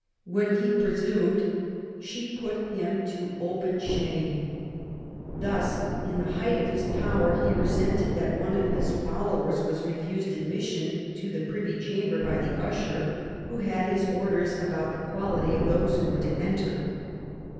When he presumed, she put him to open shame. Thus, in the height of his power, he resented that one of his followers was refused admis sion to the Privy Chamber by the usher, who had his orders about the quality of those who were to enter.